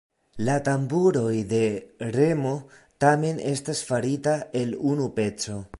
La tamburoj de Remo tamen estas farita el unu peco.